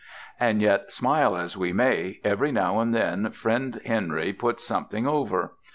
And yet smile as we may, every now and then friend Henry puts something over.